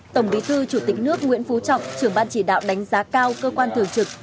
tổng bí thư chủ tịch nước nguyễn phú trọng trưởng ban chỉ đạo đánh giá cao cơ quan thường trực